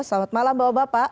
selamat malam bapak bapak